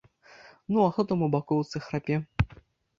Ну, а хто там у бакоўцы храпе?